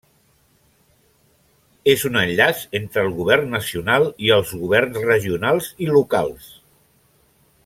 És un enllaç entre el Govern Nacional, i els Governs Regionals i Locals.